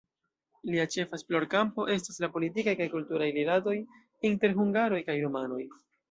Lia ĉefa esplorkampo estas la politikaj kaj kulturaj rilatoj inter hungaroj kaj rumanoj.